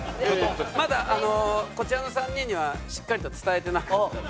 まだこちらの３人にはしっかりと伝えてなかったので。